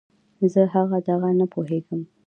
زه هغه دغه نه پوهېږم.